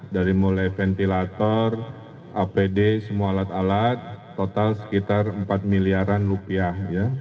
dari mulai ventilator apd semua alat alat total sekitar empat miliaran rupiah